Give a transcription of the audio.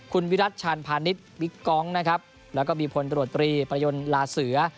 คุณวิรัชชาธิ์ภาณิชย์วิกก้องและวิพลตรวจตรีประยวนลาเสือ